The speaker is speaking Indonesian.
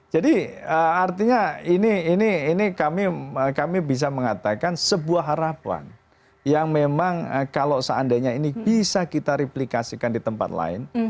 jadi artinya ini kami bisa mengatakan sebuah harapan yang memang kalau seandainya ini bisa kita replikasikan di tempat lain